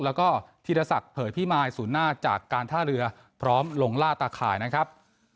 แล้วก็ธีรศักดิ์เผยพิมายศูนย์หน้าจากการท่าเรือพร้อมลงล่าตาข่ายนะครับ